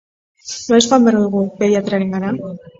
Noiz joan behar dugu pediatrarengana?